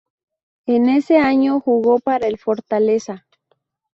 En ese año jugó para el Fortaleza.